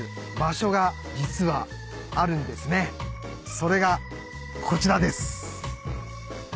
それがこちらです。